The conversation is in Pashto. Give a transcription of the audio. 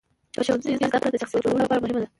په ښوونځیو کې زدهکړه د شخصیت جوړولو لپاره مهمه ده.